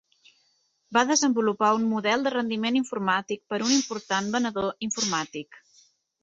Va desenvolupar un model de rendiment informàtic per un important venedor informàtic.